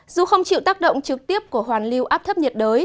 dù không chịu tác động trực tiếp của hoàn lưu áp thấp nhiệt đới